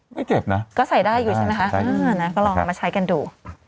ไม่เจ็บนะก็ใส่ได้อยู่ใช่ไหมคะก็ลองมาใช้กันดู